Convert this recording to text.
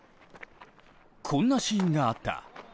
こんなシーンがあった。